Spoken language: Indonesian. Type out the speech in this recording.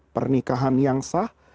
pernikahan yang sah